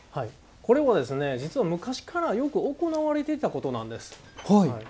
これは実は昔からよく行われていたことなんです。